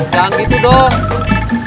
jangan gitu dong